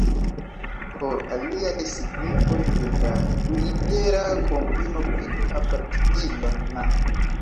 Por aliaj signifoj de la dulitera kombino vidu apartigilon Na".